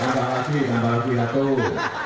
nampak lagi nampak lagi satu